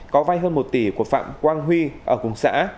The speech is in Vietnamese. có vai hơn một tỷ của phạm quang huy ở cùng xã